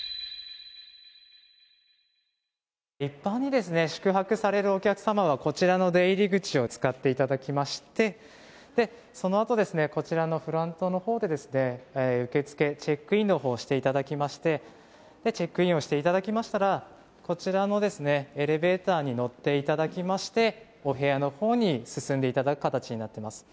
一般にですね、宿泊されるお客様は、こちらの出入り口を使っていただきまして、そのあと、こちらのフロントのほうでですね、受け付け、チェックインのほうをしていただきまして、チェックインをしていただきましたら、こちらのエレベーターに乗っていただきまして、お部屋のほうに進んでいただく形になっています。